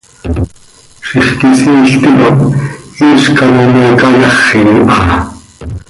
Zixquisiil ticop iizc ano me cayaxi ha.